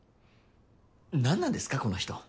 なんなんですかこの人。